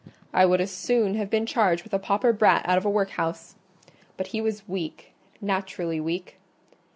I would as soon have been charged with a pauper brat out of a workhouse: but he was weak, naturally weak.